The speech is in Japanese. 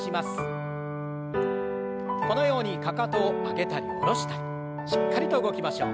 このようにかかとを上げたり下ろしたりしっかりと動きましょう。